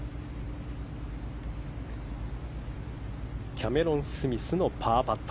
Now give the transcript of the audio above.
キャメロン・スミスのパーパット。